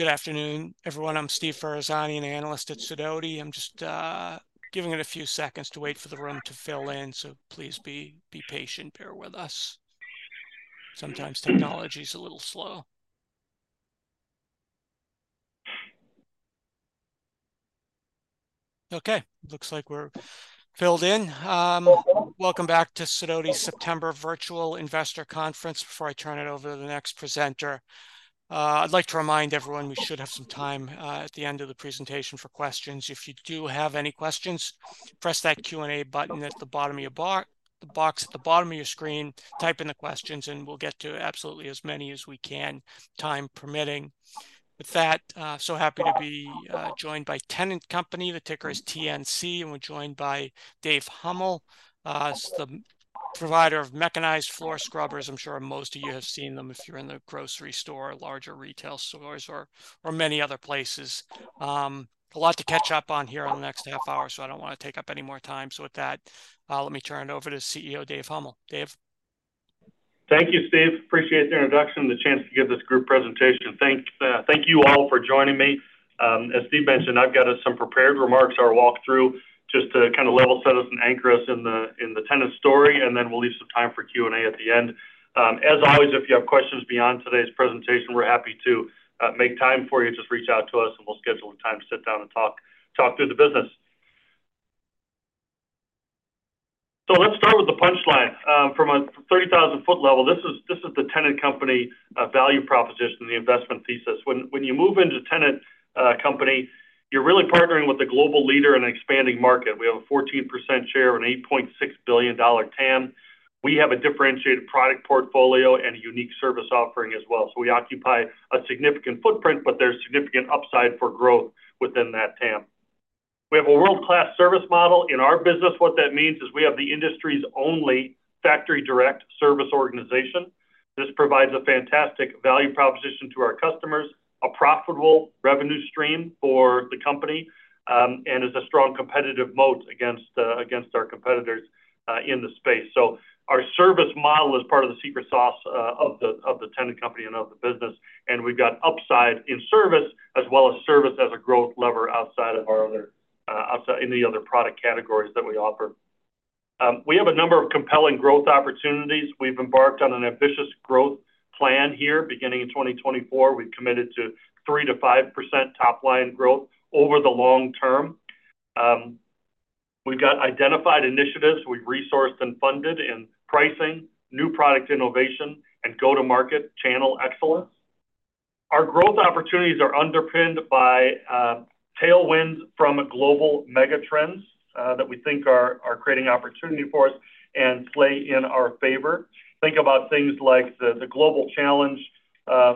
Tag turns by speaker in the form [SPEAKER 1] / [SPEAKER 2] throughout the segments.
[SPEAKER 1] Good afternoon, everyone. I'm Steve Ferazani, an Analyst at Sidoti. I'm just giving it a few seconds to wait for the room to fill in, so please be patient. Bear with us. Sometimes technology's a little slow. Okay, looks like we're filled in. Welcome back to Sidoti September Virtual Investor Conference. Before I turn it over to the next presenter, I'd like to remind everyone we should have some time at the end of the presentation for questions. If you do have any questions, press that Q&A button at the bottom of the box at the bottom of your screen, type in the questions, and we'll get to as many as we can, time permitting. With that, so happy to be joined by Tennant Company. The ticker is TNC, and we're joined by Dave Huml. It's the provider of mechanized floor scrubbers. I'm sure most of you have seen them if you're in the grocery store, larger retail stores, or many other places. A lot to catch up on here on the next half hour, so I don't want to take up any more time. So with that, let me turn it over to CEO Dave Huml. Dave?
[SPEAKER 2] Thank you, Steve. Appreciate the introduction and the chance to give this group presentation. Thank you all for joining me. As Steve mentioned, I've got us some prepared remarks, or a walk-through, just to kind of level set us and anchor us in the Tennant story, and then we'll leave some time for Q&A at the end. As always, if you have questions beyond today's presentation, we're happy to make time for you. Just reach out to us, and we'll schedule a time to sit down and talk through the business. So let's start with the punchline. From a 30,00 ft level, this is the Tennant Company value proposition, the investment thesis. When you move into Tennant Company, you're really partnering with a global leader in an expanding market. We have a 14% share of an $8.6 billion TAM. We have a differentiated product portfolio and a unique service offering as well. So we occupy a significant footprint, but there's significant upside for growth within that TAM. We have a world-class service model. In our business, what that means is we have the industry's only factory direct service organization. This provides a fantastic value proposition to our customers, a profitable revenue stream for the company, and is a strong competitive moat against our competitors in the space. So our service model is part of the secret sauce of the Tennant Company and of the business, and we've got upside in service, as well as service as a growth lever outside of our other outside any other product categories that we offer. We have a number of compelling growth opportunities. We've embarked on an ambitious growth plan here. Beginning in 2024, we've committed to 3%-5% top-line growth over the long-term. We've got identified initiatives we've resourced and funded in pricing, new product innovation, and go-to-market channel excellence. Our growth opportunities are underpinned by tailwinds from global mega trends that we think are creating opportunity for us and play in our favor. Think about things like the global challenge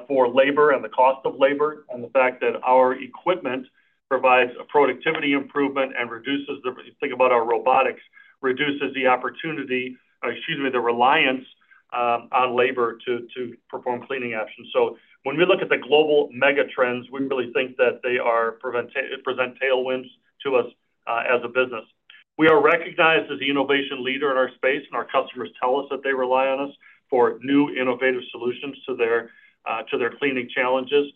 [SPEAKER 2] for labor and the cost of labor, and the fact that our equipment provides a productivity improvement and reduces the. Think about our robotics, reduces the opportunity, or excuse me, the reliance on labor to perform cleaning actions. When we look at the global mega trends, we really think that they are present tailwinds to us as a business. We are recognized as the innovation leader in our space, and our customers tell us that they rely on us for new innovative solutions to their cleaning challenges.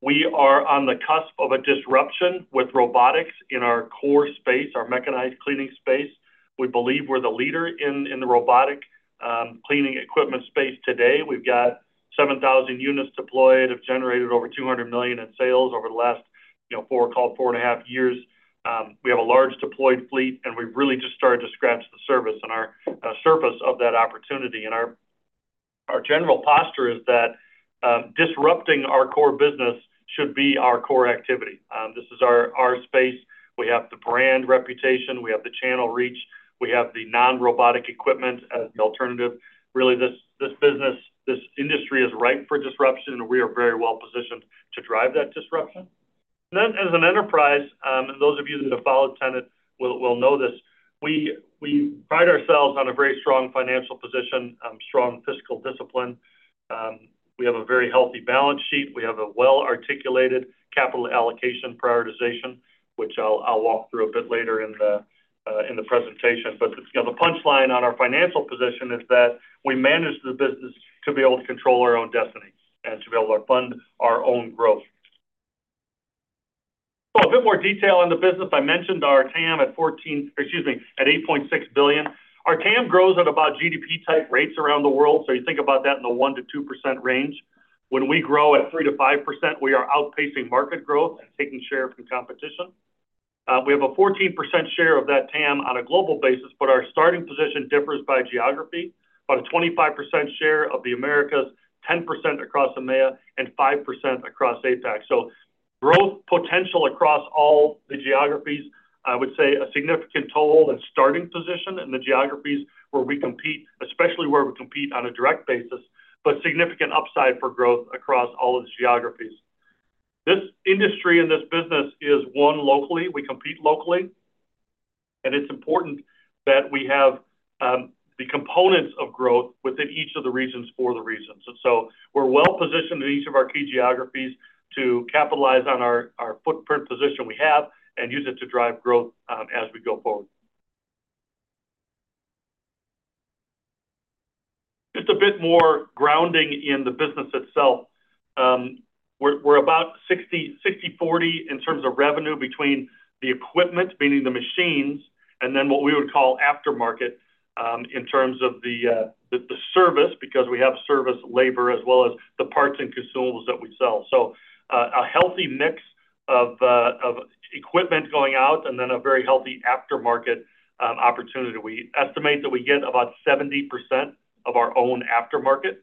[SPEAKER 2] We are on the cusp of a disruption with robotics in our core space, our mechanized cleaning space. We believe we're the leader in the robotic cleaning equipment space today. We've got 7,000units deployed, have generated over $200 million in sales over the last, you know, four, call it four and a half years. We have a large deployed fleet, and we've really just started to scratch the surface of that opportunity. Our general posture is that disrupting our core business should be our core activity. This is our space. We have the brand reputation, we have the channel reach, we have the non-robotic equipment as the alternative. Really, this business, this industry is ripe for disruption, and we are very well positioned to drive that disruption. Then, as an enterprise, and those of you that have followed Tennant will know this, we pride ourselves on a very strong financial position, strong fiscal discipline. We have a very healthy balance sheet. We have a well-articulated capital allocation prioritization, which I'll walk through a bit later in the presentation. But, you know, the punchline on our financial position is that we manage the business to be able to control our own destiny and to be able to fund our own growth. So a bit more detail on the business. I mentioned our TAM at fourteen-- excuse me, at $8.6 billion. Our TAM grows at about GDP-type rates around the world, so you think about that in the 1%-2% range. When we grow at 3%-5%, we are outpacing market growth and taking share from competition. We have a 14% share of that TAM on a global basis, but our starting position differs by geography. About a 25% share of the Americas, 10% across EMEA, and 5% across APAC. So growth potential across all the geographies, I would say a significant total and starting position in the geographies where we compete, especially where we compete on a direct basis, but significant upside for growth across all of the geographies. This industry and this business is won locally. We compete locally, and it's important that we have the components of growth within each of the regions for the reasons. And so we're well positioned in each of our key geographies to capitalize on our footprint position we have and use it to drive growth, as we go forward... a bit more grounding in the business itself. We're about 60-40 in terms of revenue between the equipment, meaning the machines, and then what we would call aftermarket, in terms of the service, because we have service labor as well as the parts and consumables that we sell. So, a healthy mix of equipment going out and then a very healthy aftermarket opportunity. We estimate that we get about 70% of our own aftermarket,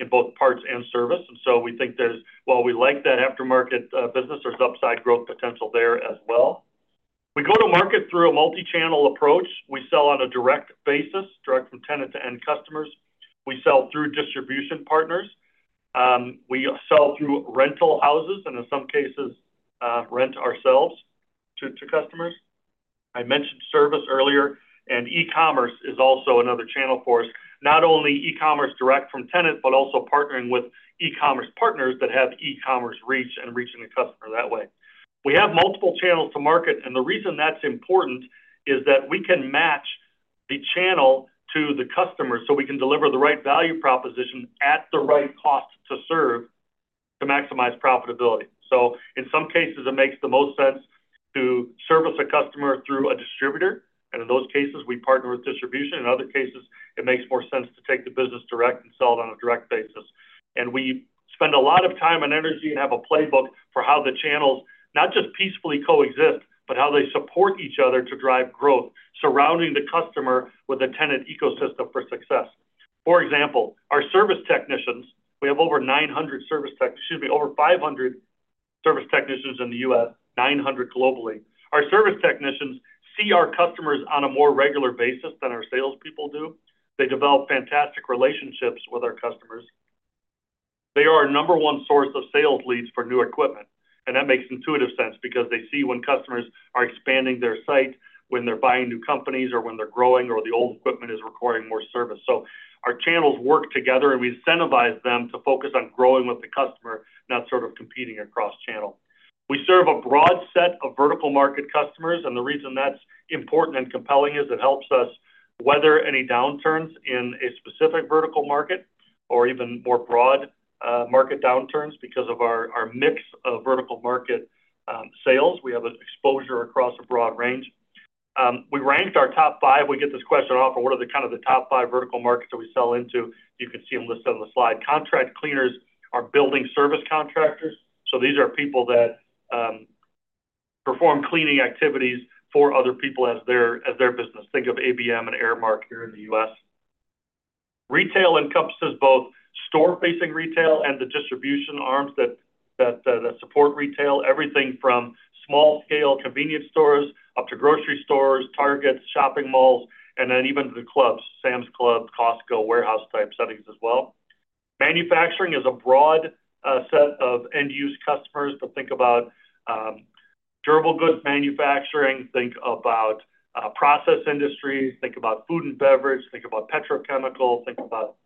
[SPEAKER 2] in both parts and service. So we think there's, while we like that aftermarket business, upside growth potential there as well. We go to market through a multi-channel approach. We sell on a direct basis, direct from Tennant to end customers. We sell through distribution partners. We sell through rental houses and in some cases, rent ourselves to customers. I mentioned service earlier, and e-commerce is also another channel for us. Not only e-commerce direct from Tennant, but also partnering with e-commerce partners that have e-commerce reach and reaching the customer that way. We have multiple channels to market, and the reason that's important is that we can match the channel to the customer, so we can deliver the right value proposition at the right cost to serve, to maximize profitability. So in some cases, it makes the most sense to service a customer through a distributor, and in those cases, we partner with distribution. In other cases, it makes more sense to take the business direct and sell it on a direct basis. We spend a lot of time and energy and have a playbook for how the channels not just peacefully coexist, but how they support each other to drive growth, surrounding the customer with a Tennant ecosystem for success. For example, our service technicians, we have over 900 service techs, excuse me, over 500 service technicians in the U.S., 900 globally. Our service technicians see our customers on a more regular basis than our salespeople do. They develop fantastic relationships with our customers. They are our number one source of sales leads for new equipment, and that makes intuitive sense because they see when customers are expanding their site, when they're buying new companies, or when they're growing, or the old equipment is requiring more service. So our channels work together, and we incentivize them to focus on growing with the customer, not sort of competing across channel. We serve a broad set of vertical market customers, and the reason that's important and compelling is it helps us weather any downturns in a specific vertical market or even more broad, market downturns. Because of our, our mix of vertical market, sales, we have exposure across a broad range. We ranked our top five. We get this question often, what are the kind of the top five vertical markets that we sell into? You can see them listed on the slide. Contract cleaners are building service contractors, so these are people that, perform cleaning activities for other people as their, as their business. Think of ABM and Aramark here in the U.S. Retail encompasses both store-facing retail and the distribution arms that support retail. Everything from small-scale convenience stores up to grocery stores, Targets, shopping malls, and then even the clubs, Sam's Club, Costco, warehouse-type settings as well. Manufacturing is a broad set of end-use customers, but think about durable goods manufacturing, think about process industries, think about food and beverage, think about petrochemical, think about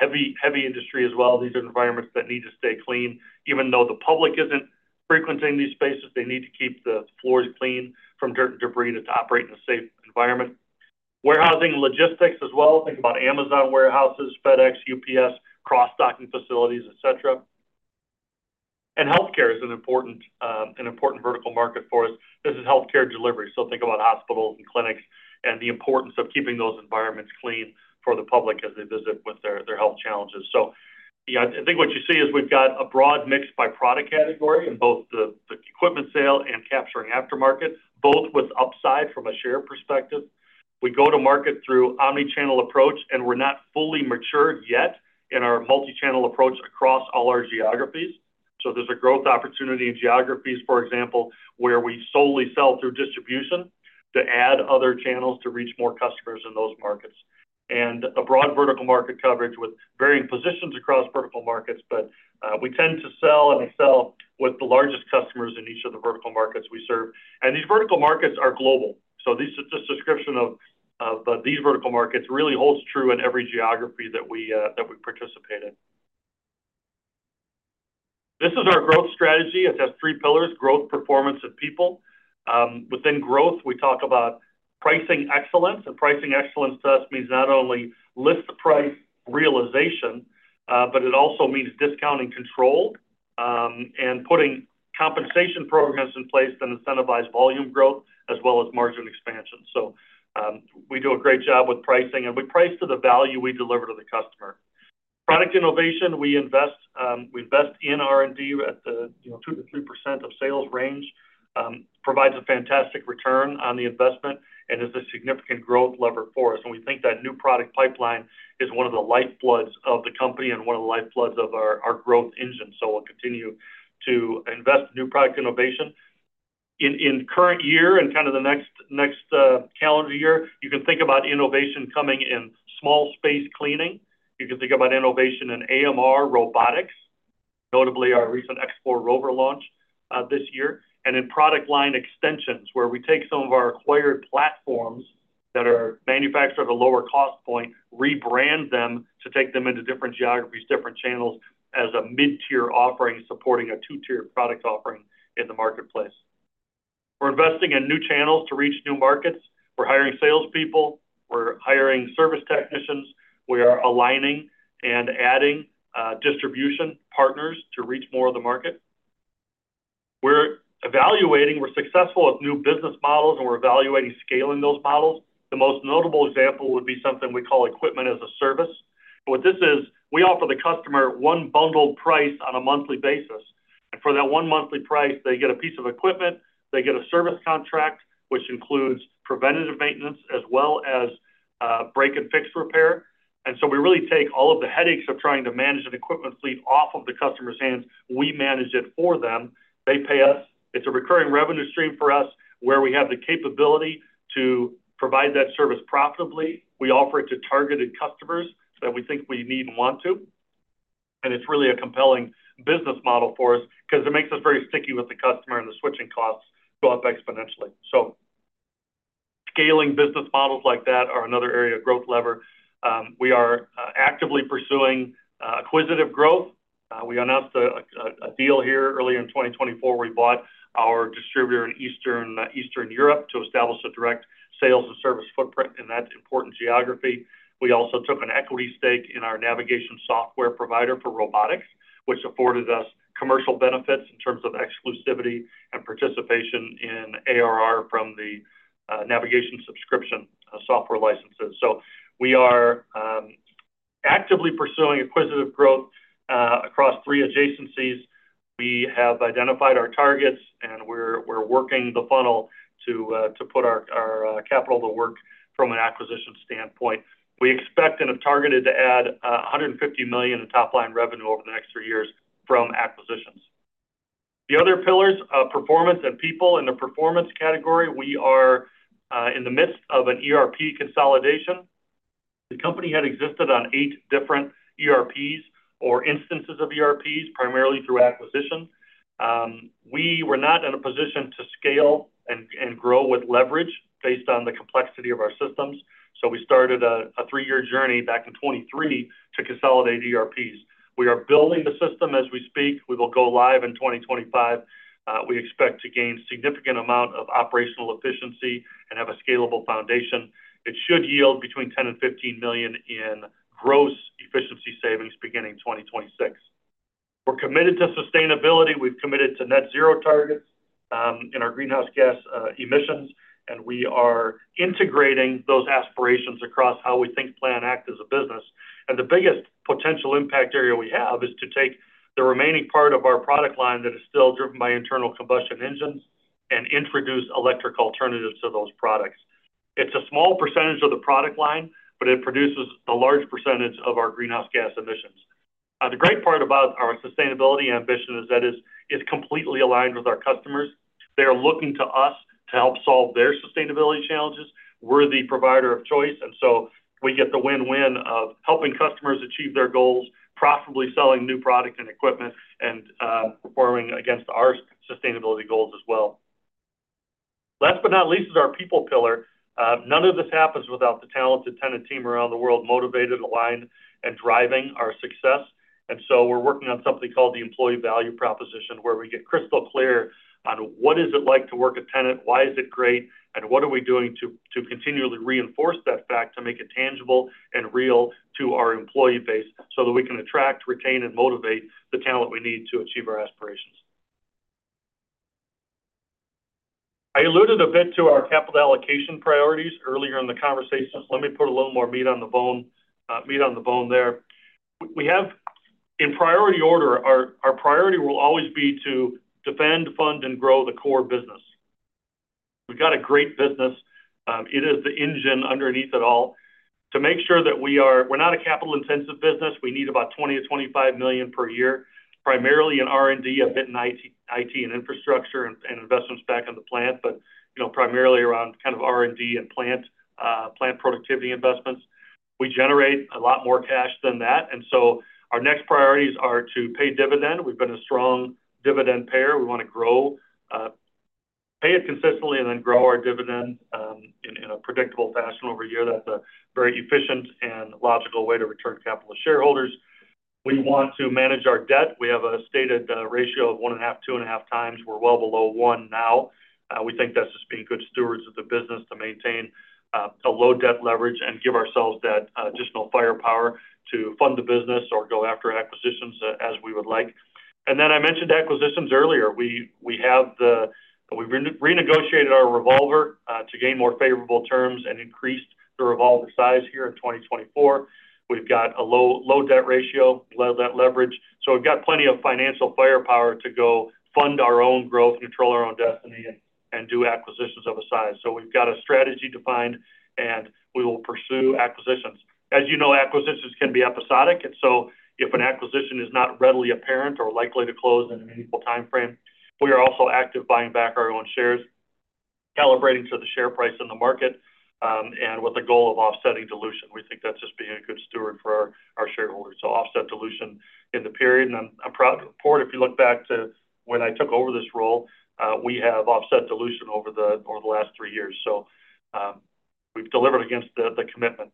[SPEAKER 2] heavy industry as well. These are environments that need to stay clean. Even though the public isn't frequenting these spaces, they need to keep the floors clean from dirt and debris to operate in a safe environment. Warehousing and logistics as well. Think about Amazon warehouses, FedEx, UPS, cross-docking facilities, et cetera, and healthcare is an important vertical market for us. This is healthcare delivery, so think about hospitals and clinics and the importance of keeping those environments clean for the public as they visit with their health challenges, so yeah, I think what you see is we've got a broad mix by product category in both the equipment sale and capturing aftermarket, both with upside from a share perspective. We go to market through omni-channel approach, and we're not fully matured yet in our multi-channel approach across all our geographies, so there's a growth opportunity in geographies, for example, where we solely sell through distribution to add other channels to reach more customers in those markets, and a broad vertical market coverage with varying positions across vertical markets, but we tend to sell and we sell with the largest customers in each of the vertical markets we serve, and these vertical markets are global. This is a description of these vertical markets really holds true in every geography that we participate in. This is our growth strategy. It has three pillars: growth, performance, and people. Within growth, we talk about pricing excellence, and pricing excellence to us means not only list price realization, but it also means discounting control, and putting compensation programs in place that incentivize volume growth as well as margin expansion. We do a great job with pricing, and we price to the value we deliver to the customer. Product innovation, we invest in R&D at the, you know, 2%-3% of sales range, provides a fantastic return on the investment and is a significant growth lever for us. And we think that new product pipeline is one of the lifebloods of the company and one of the lifebloods of our growth engine. So we'll continue to invest in new product innovation. In current year and kind of the next calendar year, you can think about innovation coming in small space cleaning. You can think about innovation in AMR robotics, notably our recent X4 ROVR launch this year, and in product line extensions, where we take some of our acquired platforms that are manufactured at a lower cost point, rebrand them to take them into different geographies, different channels as a mid-tier offering, supporting a two-tier product offering in the marketplace. We're investing in new channels to reach new markets. We're hiring salespeople, we're hiring service technicians. We are aligning and adding distribution partners to reach more of the market. We're successful with new business models, and we're evaluating scaling those models. The most notable example would be something we call equipment as a service. What this is, we offer the customer one bundled price on a monthly basis, and for that one monthly price, they get a piece of equipment, they get a service contract, which includes preventative maintenance as well as break and fix repair. And so we really take all of the headaches of trying to manage an equipment fleet off of the customer's hands. We manage it for them. They pay us. It's a recurring revenue stream for us, where we have the capability to provide that service profitably. We offer it to targeted customers that we think we need and want to, and it's really a compelling business model for us because it makes us very sticky with the customer, and the switching costs go up exponentially, so scaling business models like that are another area of growth lever. We are actively pursuing acquisitive growth. We announced a deal here earlier in 2024, where we bought our distributor in Eastern Europe to establish a direct sales and service footprint in that important geography. We also took an equity stake in our navigation software provider for robotics, which afforded us commercial benefits in terms of exclusivity and participation in ARR from the navigation subscription software licenses, so we are actively pursuing acquisitive growth across three adjacencies. We have identified our targets, and we're working the funnel to put our capital to work from an acquisition standpoint. We expect and have targeted to add 150 million in top-line revenue over the next three years from acquisitions. The other pillars are performance and people. In the performance category, we are in the midst of an ERP consolidation. The company had existed on eight different ERPs or instances of ERPs, primarily through acquisition. We were not in a position to scale and grow with leverage based on the complexity of our systems, so we started a three-year journey back in 2023 to consolidate ERPs. We are building the system as we speak. We will go live in 2025. We expect to gain significant amount of operational efficiency and have a scalable foundation. It should yield between $10 million and $15 million in gross efficiency savings beginning 2026. We're committed to sustainability. We've committed to net zero targets in our greenhouse gas emissions, and we are integrating those aspirations across how we think, plan, act as a business. And the biggest potential impact area we have is to take the remaining part of our product line that is still driven by internal combustion engines and introduce electric alternatives to those products. It's a small percentage of the product line, but it produces a large percentage of our greenhouse gas emissions. The great part about our sustainability ambition is that it's completely aligned with our customers. They are looking to us to help solve their sustainability challenges. We're the provider of choice, and so we get the win-win of helping customers achieve their goals, profitably selling new products and equipment, and performing against our sustainability goals as well. Last but not least, is our people pillar. None of this happens without the talented Tennant team around the world, motivated, aligned, and driving our success. And so we're working on something called the employee value proposition, where we get crystal clear on what is it like to work at Tennant, why is it great, and what are we doing to continually reinforce that fact, to make it tangible and real to our employee base, so that we can attract, retain, and motivate the talent we need to achieve our aspirations. I alluded a bit to our capital allocation priorities earlier in the conversation, so let me put a little more meat on the bone, meat on the bone there. We have. In priority order, our priority will always be to defend, fund, and grow the core business. We've got a great business. It is the engine underneath it all. To make sure that we are. We're not a capital-intensive business. We need about $20 million-$25 million per year, primarily in R&D, a bit in IT and infrastructure and investments back on the plant, but, you know, primarily around kind of R&D and plant productivity investments. We generate a lot more cash than that, and so our next priorities are to pay dividend. We've been a strong dividend payer. We want to grow, pay it consistently and then grow our dividend, in a predictable fashion over a year. That's a very efficient and logical way to return capital to shareholders. We want to manage our debt. We have a stated ratio of 1.5x-2.5x. We're well below one now. We think that's just being good stewards of the business to maintain a low debt leverage and give ourselves that additional firepower to fund the business or go after acquisitions as we would like. And then I mentioned acquisitions earlier. We've re-negotiated our revolver to gain more favorable terms and increased the revolver size here in 2024. We've got a low, low debt ratio, low debt leverage, so we've got plenty of financial firepower to go fund our own growth, control our own destiny, and do acquisitions of a size. So we've got a strategy defined, and we will pursue acquisitions. As you know, acquisitions can be episodic, and so if an acquisition is not readily apparent or likely to close in an equal timeframe, we are also active buying back our own shares, calibrating to the share price in the market, and with the goal of offsetting dilution. We think that's just being a good steward for our shareholders. So offset dilution in the period, and I'm proud to report, if you look back to when I took over this role, we have offset dilution over the last three years. So, we've delivered against the commitment.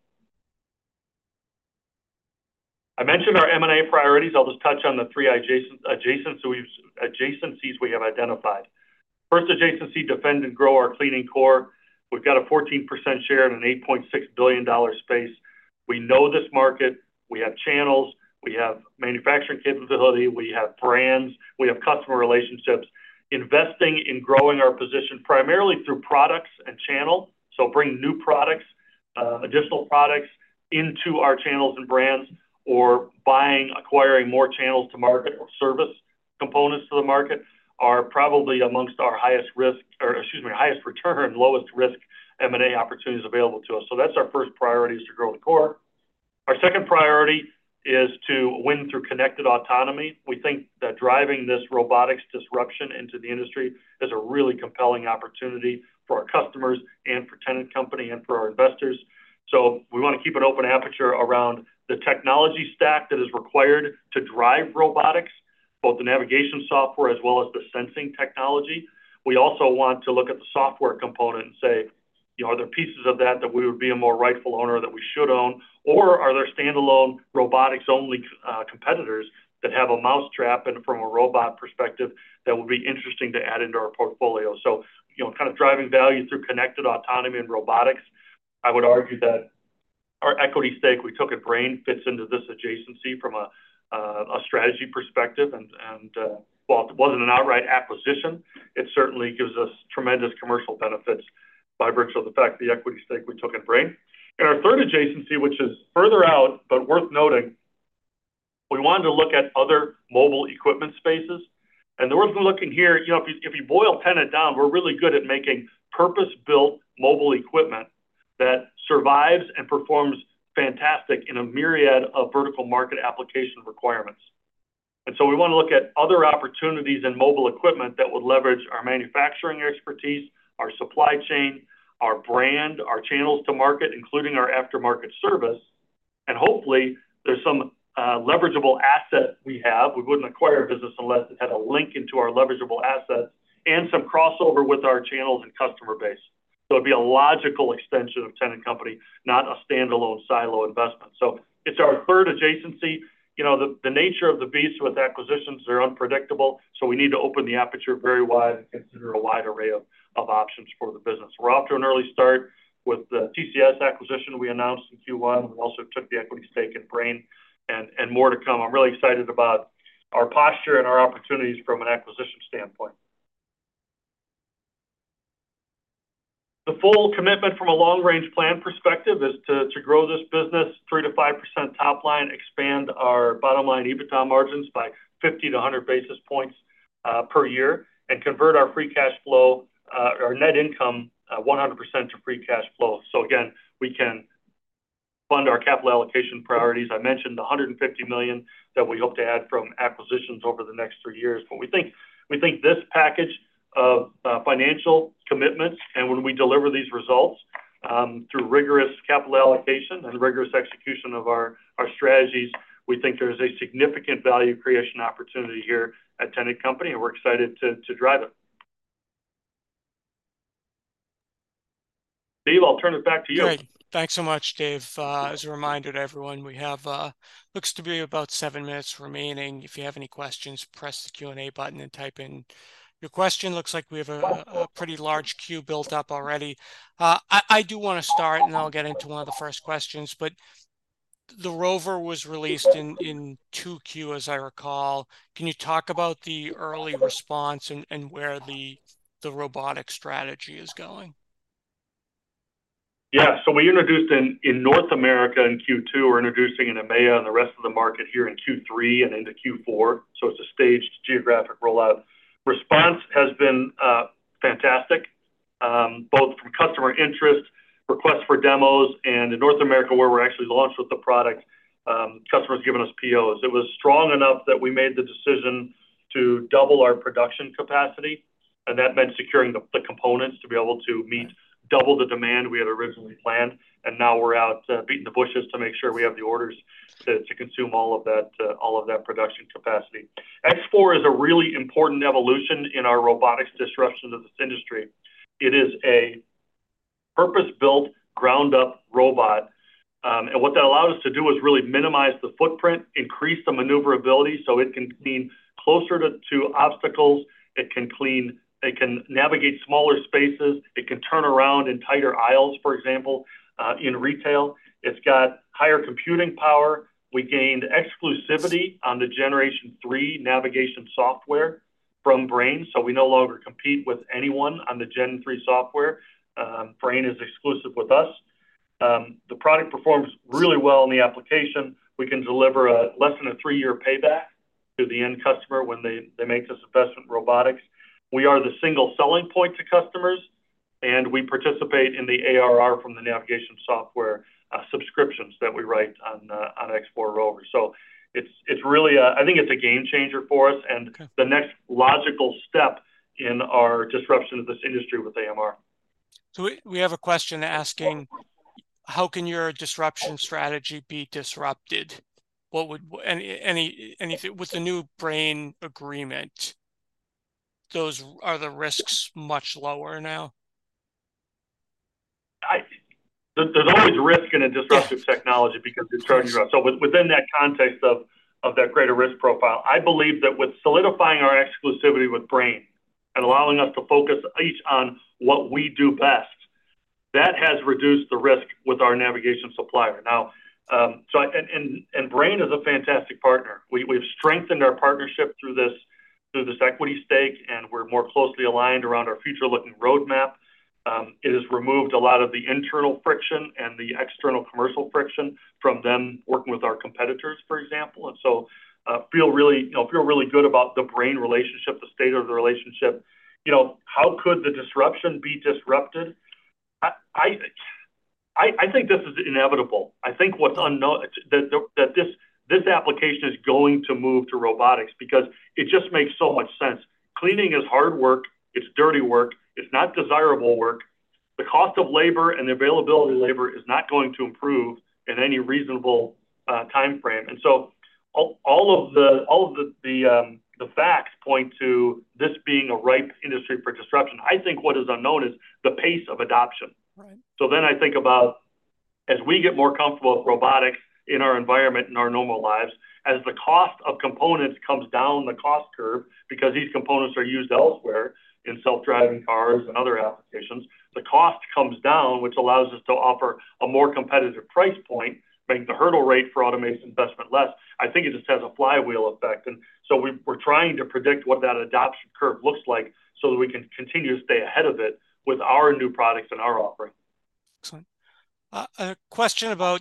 [SPEAKER 2] I mentioned our M&A priorities. I'll just touch on the three adjacencies we have identified. First adjacency, defend and grow our cleaning core. We've got a 14% share in an $8.6 billion space. We know this market. We have channels, we have manufacturing capability, we have brands, we have customer relationships. Investing in growing our position primarily through products and channel, so bringing new products, additional products into our channels and brands, or buying, acquiring more channels to market or service components to the market, are probably amongst our highest risk, or excuse me, highest return, lowest risk M&A opportunities available to us. So that's our first priority, is to grow the core. Our second priority is to win through connected autonomy. We think that driving this robotics disruption into the industry is a really compelling opportunity for our customers and for Tennant Company and for our investors. So we want to keep an open aperture around the technology stack that is required to drive robotics, both the navigation software as well as the sensing technology. We also want to look at the software component and say, "You know, are there pieces of that, that we would be a more rightful owner, that we should own? Or are there standalone robotics-only competitors that have a mousetrap, and from a robot perspective, that would be interesting to add into our portfolio?" So, you know, kind of driving value through connected autonomy and robotics. I would argue that our equity stake we took at Brain fits into this adjacency from a strategy perspective, and, and, well, it wasn't an outright acquisition. It certainly gives us tremendous commercial benefits by virtue of the fact the equity stake we took in Brain. And our third adjacency, which is further out but worth noting, we wanted to look at other mobile equipment spaces. And the reason we're looking here, you know, if you boil Tennant down, we're really good at making purpose-built mobile equipment that survives and performs fantastic in a myriad of vertical market application requirements. And so we want to look at other opportunities in mobile equipment that would leverage our manufacturing expertise, our supply chain, our brand, our channels to market, including our aftermarket service. And hopefully, there's some leverageable asset we have. We wouldn't acquire a business unless it had a link into our leverageable assets and some crossover with our channels and customer base. So it'd be a logical extension of Tennant Company, not a standalone silo investment. So it's our third adjacency. You know, the nature of the beast with acquisitions are unpredictable, so we need to open the aperture very wide and consider a wide array of options for the business. We're off to an early start with the TCS acquisition we announced in Q1, and we also took the equity stake in Brain, and more to come. I'm really excited about our posture and our opportunities from an acquisition standpoint. The full commitment from a long-range plan perspective is to grow this business 3%-5% top line, expand our bottom line EBITDA margins by 50-100 basis points per year, and convert our free cash flow, our net income, 100% to free cash flow. So again, we can fund our capital allocation priorities. I mentioned the $150 million that we hope to add from acquisitions over the next three years. But we think this package of financial commitments, and when we deliver these results, through rigorous capital allocation and rigorous execution of our strategies, we think there is a significant value creation opportunity here at Tennant Company, and we're excited to drive it. Steve I'll turn it back to you.
[SPEAKER 1] Great. Thanks so much, Dave. As a reminder to everyone, we have looks to be about seven minutes remaining. If you have any questions, press the Q&A button and type in your question. Looks like we have a pretty large queue built up already. I do want to start, and then I'll get into one of the first questions, but the ROVR was released in 2Q, as I recall. Can you talk about the early response and where the robotic strategy is going?
[SPEAKER 2] Yeah. So we introduced in North America in Q2. We're introducing in EMEA and the rest of the market here in Q3 and into Q4, so it's a staged geographic rollout. Response has been fantastic, both from customer interest, requests for demos, and in North America, where we're actually launched with the product, customers giving us POs. It was strong enough that we made the decision to double our production capacity, and that meant securing the components to be able to meet double the demand we had originally planned. And now we're out beating the bushes to make sure we have the orders to consume all of that production capacity. X4 is a really important evolution in our robotics disruption of this industry. It is a purpose-built, ground-up robot. And what that allows us to do is really minimize the footprint, increase the maneuverability, so it can clean closer to obstacles. It can navigate smaller spaces, it can turn around in tighter aisles, for example, in retail. It's got higher computing power. We gained exclusivity on the Generation 3 navigation software from Brain, so we no longer compete with anyone on the Gen3 software. Brain is exclusive with us. The product performs really well in the application. We can deliver a less than a three-year payback to the end customer when they make this investment in robotics. We are the single selling point to customers, and we participate in the ARR from the navigation software subscriptions that we write on the X4 ROVR. I think it's a game changer for us, and-
[SPEAKER 1] Okay...
[SPEAKER 2] the next logical step in our disruption of this industry with AMR.
[SPEAKER 1] So we have a question asking: How can your disruption strategy be disrupted? What would... With the new Brain agreement, those are the risks much lower now?...
[SPEAKER 2] There's always risk in a disruptive technology because it's very disruptive. So within that context of that greater risk profile, I believe that with solidifying our exclusivity with Brain and allowing us to focus each on what we do best, that has reduced the risk with our navigation supplier. Now, so and Brain is a fantastic partner. We've strengthened our partnership through this equity stake, and we're more closely aligned around our future-looking roadmap. It has removed a lot of the internal friction and the external commercial friction from them working with our competitors, for example. And so, feel really, you know, feel really good about the Brain relationship, the state of the relationship. You know, how could the disruption be disrupted? I think this is inevitable. I think what's unknown is that this application is going to move to robotics because it just makes so much sense. Cleaning is hard work, it's dirty work, it's not desirable work. The cost of labor and the availability of labor is not going to improve in any reasonable timeframe. And so all of the facts point to this being a ripe industry for disruption. I think what is unknown is the pace of adoption.
[SPEAKER 1] Right.
[SPEAKER 2] So then I think about, as we get more comfortable with robotics in our environment, in our normal lives, as the cost of components comes down the cost curve, because these components are used elsewhere in self-driving cars and other applications, the cost comes down, which allows us to offer a more competitive price point, making the hurdle rate for automated investment less. I think it just has a flywheel effect, and so we're trying to predict what that adoption curve looks like so that we can continue to stay ahead of it with our new products and our offering.
[SPEAKER 1] Excellent. A question about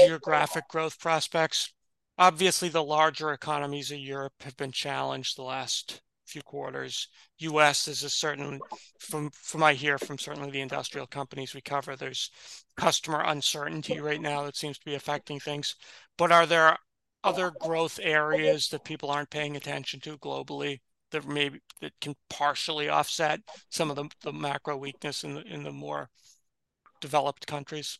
[SPEAKER 1] geographic growth prospects. Obviously, the larger economies of Europe have been challenged the last few quarters. U.S. is certainly, from what I hear from certainly the industrial companies we cover, there's customer uncertainty right now that seems to be affecting things. But are there other growth areas that people aren't paying attention to globally, that maybe can partially offset some of the macro weakness in the more developed countries?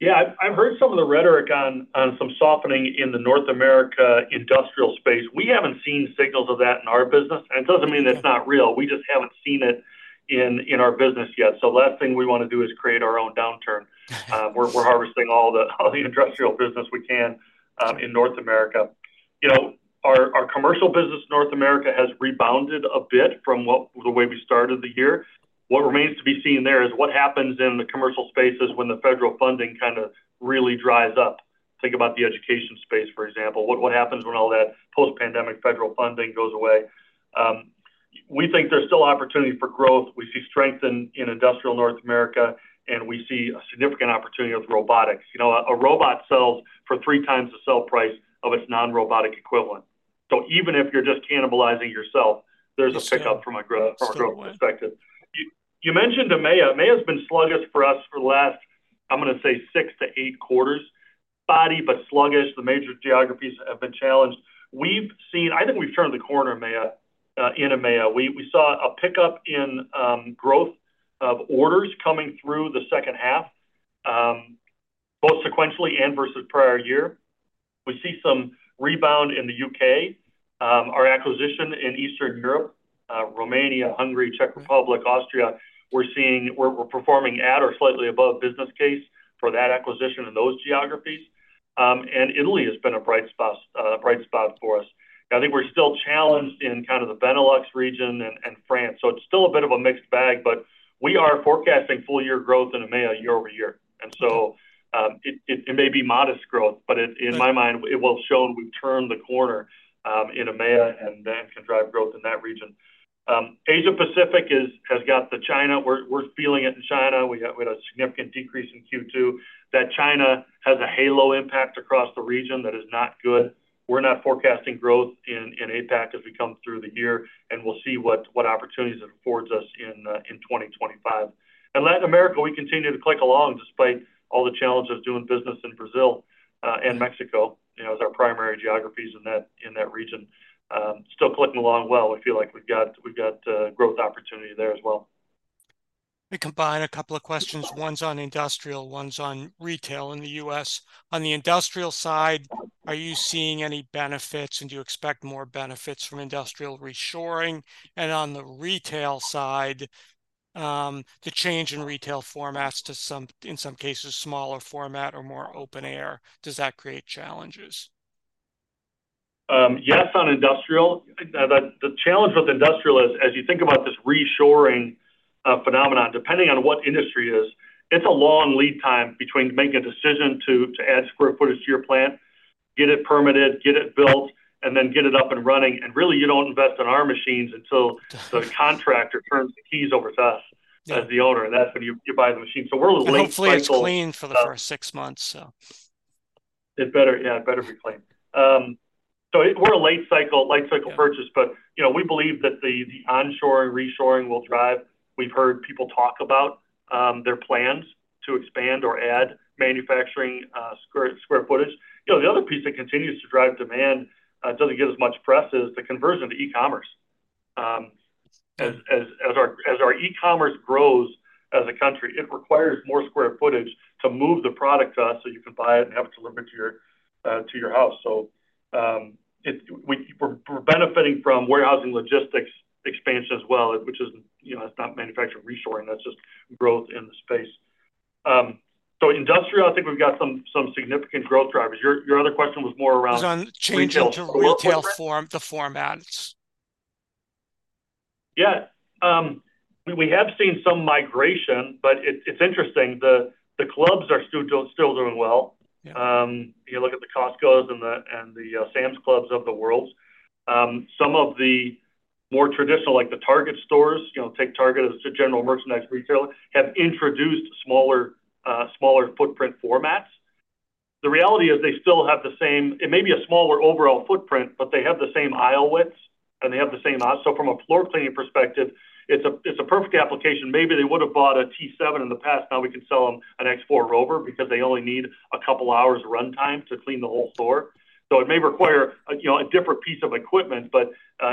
[SPEAKER 2] Yeah, I've heard some of the rhetoric on some softening in the North America industrial space. We haven't seen signals of that in our business, and it doesn't mean it's not real. We just haven't seen it in our business yet. So the last thing we want to do is create our own downturn. We're harvesting all the industrial business we can in North America. You know, our commercial business in North America has rebounded a bit from the way we started the year. What remains to be seen there is what happens in the commercial spaces when the federal funding kind of really dries up. Think about the education space, for example. What happens when all that post-pandemic federal funding goes away? We think there's still opportunity for growth. We see strength in industrial North America, and we see a significant opportunity with robotics. You know, a robot sells for 3x the sell price of its non-robotic equivalent. So even if you're just cannibalizing yourself-
[SPEAKER 1] Yes
[SPEAKER 2] There's a pickup from a growth perspective. You mentioned EMEA. EMEA has been sluggish for us for the last, I'm going to say, six to eight quarters. Spotty but sluggish. The major geographies have been challenged. We've seen. I think we've turned the corner in EMEA. We saw a pickup in growth of orders coming through the second half both sequentially and versus prior year. We see some rebound in the U.K. Our acquisition in Eastern Europe, Romania, Hungary, Czech Republic, Austria, we're seeing. We're performing at or slightly above business case for that acquisition in those geographies. And Italy has been a bright spot for us. I think we're still challenged in kind of the Benelux region and France, so it's still a bit of a mixed bag, but we are forecasting full year growth in EMEA year-over-year. And so, it may be modest growth, but in my mind, it will show we've turned the corner in EMEA, and that can drive growth in that region. Asia Pacific has got the China. We're feeling it in China. We had a significant decrease in Q2. That China has a halo impact across the region. That is not good. We're not forecasting growth in APAC as we come through the year, and we'll see what opportunities it affords us in 2025. In Latin America, we continue to click along despite all the challenges of doing business in Brazil and Mexico, you know, as our primary geographies in that region. Still clicking along well. We feel like we've got growth opportunity there as well.
[SPEAKER 1] Let me combine a couple of questions. One's on industrial, one's on retail in the U.S. On the industrial side, are you seeing any benefits, and do you expect more benefits from industrial reshoring? And on the retail side, the change in retail formats to some in some cases, smaller format or more open air, does that create challenges?
[SPEAKER 2] Yes, on industrial. The challenge with industrial is, as you think about this reshoring phenomenon, depending on what industry it is, it's a long lead time between making a decision to add square footage to your plant, get it permitted, get it built, and then get it up and running. And really, you don't invest in our machines until-
[SPEAKER 1] Right...
[SPEAKER 2] the contractor turns the keys over to us-
[SPEAKER 1] Yeah
[SPEAKER 2] as the owner, and that's when you buy the machine. So we're a late cycle-
[SPEAKER 1] Hopefully, it's clean for the first six months, so.
[SPEAKER 2] It better, yeah, it better be clean. So, we're a late cycle purchase-
[SPEAKER 1] Yeah...
[SPEAKER 2] but, you know, we believe that the onshoring, reshoring will drive. We've heard people talk about their plans to expand or add manufacturing square footage. You know, the other piece that continues to drive demand doesn't get as much press, is the conversion to e-commerce. As our e-commerce grows as a country, it requires more square footage to move the product to us, so you can buy it and have it delivered to your house. So, we're benefiting from warehousing logistics expansion as well, which is, you know, that's not manufacturing reshoring, that's just growth in the space. So industrial, I think we've got some significant growth drivers. Your other question was more around retail.
[SPEAKER 1] Was on changing to retail form, the formats.
[SPEAKER 2] Yeah. We have seen some migration, but it's interesting, the clubs are still doing well.
[SPEAKER 1] Yeah.
[SPEAKER 2] You look at the Costcos and the Sam's Clubs of the world. Some of the more traditional, like the Target stores, you know, take Target as a general merchandise retailer, have introduced smaller footprint formats. The reality is they still have the same. It may be a smaller overall footprint, but they have the same aisle widths, and they have the same aisles. So from a floor cleaning perspective, it's a perfect application. Maybe they would have bought a T7 in the past, now we can sell them an X4 ROVR because they only need a couple of hours of runtime to clean the whole store. So it may require a, you know, a different piece of equipment, but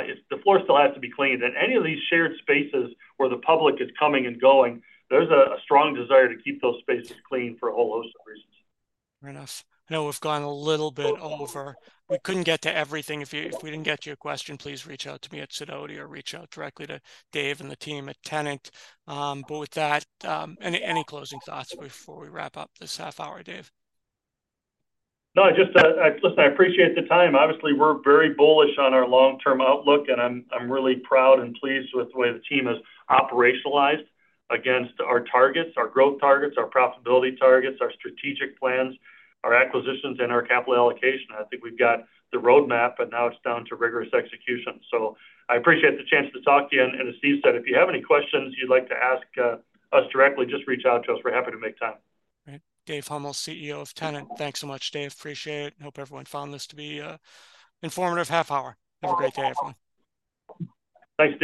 [SPEAKER 2] it's the floor still has to be cleaned. Any of these shared spaces where the public is coming and going, there's a strong desire to keep those spaces clean for a whole host of reasons.
[SPEAKER 1] Fair enough. I know we've gone a little bit over. We couldn't get to everything. If you, if we didn't get to your question, please reach out to me at Sidoti or reach out directly to Dave and the team at Tennant. But with that, any closing thoughts before we wrap up this half hour, Dave?
[SPEAKER 2] No, I just listen. I appreciate the time. Obviously, we're very bullish on our long-term outlook, and I'm really proud and pleased with the way the team has operationalized against our targets, our growth targets, our profitability targets, our strategic plans, our acquisitions, and our capital allocation. I think we've got the roadmap, and now it's down to rigorous execution. So I appreciate the chance to talk to you. And as Steve said, if you have any questions you'd like to ask us directly, just reach out to us. We're happy to make time.
[SPEAKER 1] Right. Dave Huml, CEO of Tennant. Thanks so much, Dave. Appreciate it. Hope everyone found this to be an informative half hour. Have a great day, everyone.
[SPEAKER 2] Thanks.